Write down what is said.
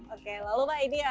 oke lalu pak ini